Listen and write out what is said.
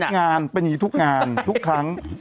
งานเป็นอย่างนี้ทุกงานทุกครั้ง